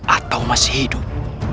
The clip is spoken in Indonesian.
atau masih hidup